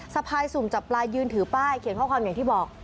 สะพายสุ่มจับปลายืนถือป้ายเขียนข้อความอย่างที่บอก